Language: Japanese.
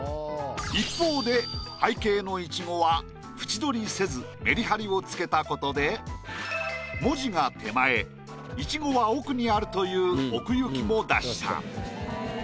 一方で背景のイチゴは縁取りせずメリハリをつけたことで文字が手前イチゴは奥にあるという奥行きも出した。